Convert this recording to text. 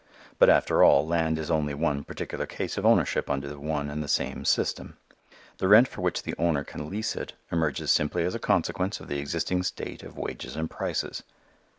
But after all, land is only one particular case of ownership under the one and the same system. The rent for which the owner can lease it, emerges simply as a consequence of the existing state of wages and prices.